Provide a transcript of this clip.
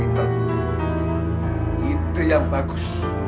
itu ide yang bagus